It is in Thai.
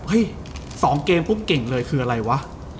เฮ้ย๒เกมก็เก่งเลยคืออะไรวะ